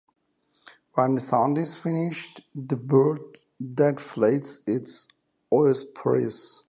When the sound is finished, the bird deflates its oesophagus.